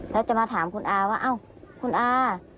แล้วจะมาถามคุณอาว่าอ้าวคุณอา